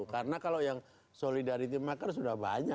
karena kalau yang solidaritimaker sudah banyak